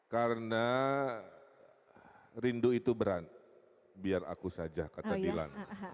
karena rindu itu berat biar aku saja kata dilan